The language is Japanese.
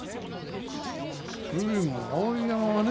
それよりも碧山がね。